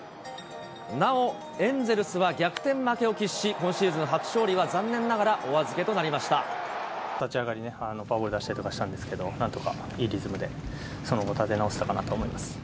なおエンゼルスは逆転負けを喫し、今シーズン初勝利は残念ながらお立ち上がりね、フォアボール出したりとかしたんですけど、なんとかいいリズムでその後、立て直せたかなと思います。